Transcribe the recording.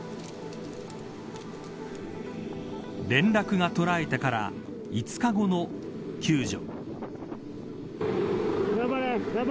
連絡が途絶えてから５日後の救助。